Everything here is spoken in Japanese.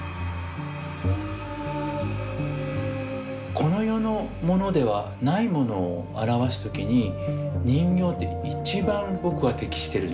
この世のものではないものを表す時に人形って一番僕は適してるんじゃないかなと思うんですね。